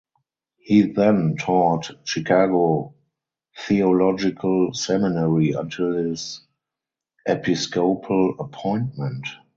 He then taught Chicago Theological Seminary until his episcopal appointment.